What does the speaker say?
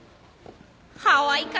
ハワイか！